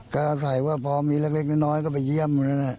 ก็อาศัยว่าพอมีเล็กน้อยก็ไปเยี่ยม